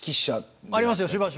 ありますよ。